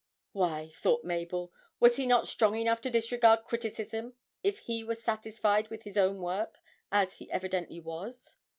Why, thought Mabel, was he not strong enough to disregard criticism if he was satisfied with his own work, as he evidently was?